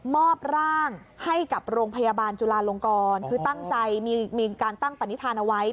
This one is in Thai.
อบร่างให้กับโรงพยาบาลจุลาลงกรคือตั้งใจมีการตั้งปณิธานเอาไว้